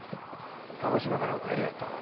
鹿児島からお帰りやったか。